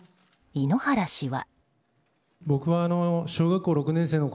井ノ原氏は。